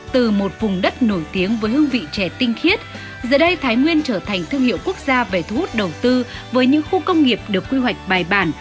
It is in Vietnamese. từ một vùng đất nổi tiếng với hương vị trẻ tinh khiết giờ đây thái nguyên trở thành thương hiệu quốc gia về thu hút đầu tư với những khu công nghiệp được quy hoạch bài bản